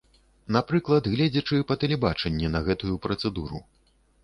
Напрыклад, гледзячы па тэлебачанні на гэтую працэдуру.